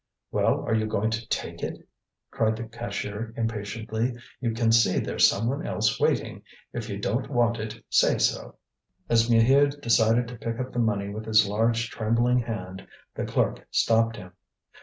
"Well, are you going to take it?" cried the cashier impatiently. "You can see there's someone else waiting. If you don't want it, say so." As Maheu decided to pick up the money with his large trembling hand the clerk stopped him.